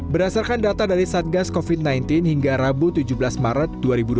berdasarkan data dari satgas covid sembilan belas hingga rabu tujuh belas maret dua ribu dua puluh